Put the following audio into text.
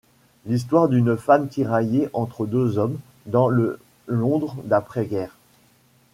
L'histoire d'une femme tiraillée entre deux hommes dans le Londres d'après guerre.